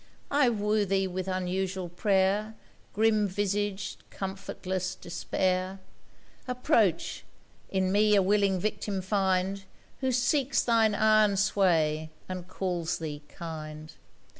I woo thee with unusual prayer, 'Grim visaged, comfortless Despair!' Approach; in me a willing victim find, Who seeks thine iron sway and calls thee kind!